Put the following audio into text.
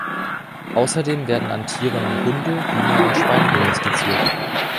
Außerdem werden an Tieren Hunde, Hühner und Schweine domestiziert.